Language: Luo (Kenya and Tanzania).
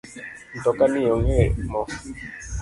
Mtoka ni onge moo